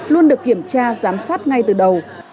luôn được kiểm tra giám sát ngay từ đầu